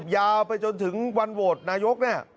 ยาวไปจนถึงวันโหวร์ดนายก